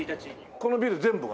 このビル全部が？